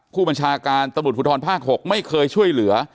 ผู้บัญชาการตำรวจภูทรภาค๖ไม่เคยช่วยเหลือ